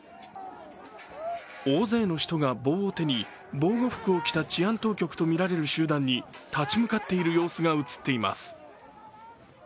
大勢の人が棒を手に防護服を着た治安当局とみられる集団に立ち向かっていく様子が映っています。